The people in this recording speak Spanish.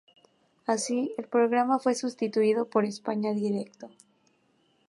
Así, el programa fue sustituido por "España Directo".